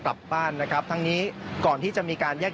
มาดูบรรจากาศมาดูความเคลื่อนไหวที่บริเวณหน้าสูตรการค้า